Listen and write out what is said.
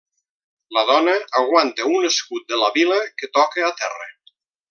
La dona aguanta un escut de la vila que toca a terra.